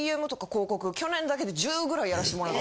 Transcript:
去年だけで１０ぐらいやらしてもらって。